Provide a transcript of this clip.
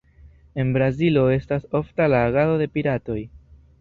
En Brazilo estas ofta la agado de piratoj.